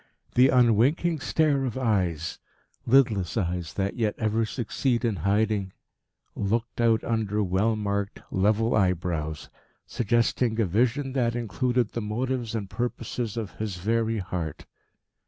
The unwinking stare of eyes lidless eyes that yet ever succeed in hiding looked out under well marked, level eyebrows, suggesting a vision that included the motives and purposes of his very heart.